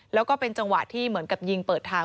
แล้วก็เป็นจังหวะที่เหมือนกับยิงเปิดทาง